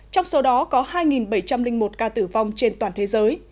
trong số đó có hai bảy trăm linh một ca tử vong trên toàn thế giới